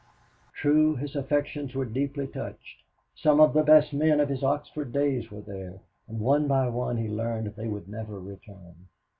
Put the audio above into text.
True, his affections were deeply touched. Some of the best friends of his Oxford days were there, and one by one he learned they would never return.